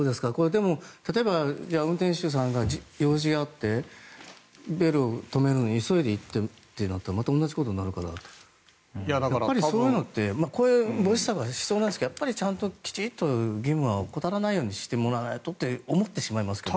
でも、例えば運転手さんが用事があってベルを止めるのに急いで行ってとなったらまた同じことになるからそういうのってこれ、必要なんですがちゃんときちんと義務は怠らないようにしてもらわないとと思ってしまいますね。